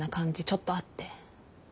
ちょっとあって。